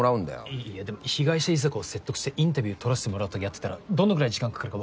いやでも被害者遺族を説得してインタビュー撮らしてもらうってやってたらどのぐらい時間かかるか。